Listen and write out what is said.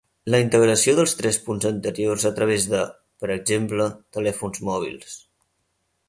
La integració dels tres punts anteriors a través de, per exemple, telèfons mòbils.